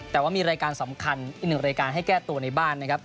แต่ว่ามีรายการสำคัญอีกหนึ่งรายการให้แก้ตัวในบ้านนะครับ